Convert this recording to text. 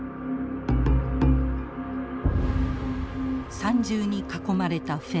三重に囲まれたフェンス。